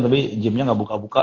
tapi gimnya gak buka buka